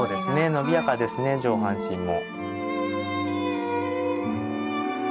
伸びやかですね上半身も。